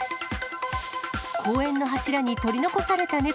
公園の柱に取り残された猫。